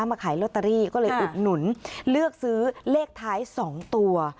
มาขายลอตเตอรี่ก็เลยอุดหนุนเลือกซื้อเลขท้าย๒ตัว